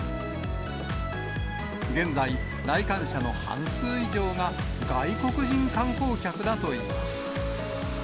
現在、来館者の半数以上が、外国人観光客だといいます。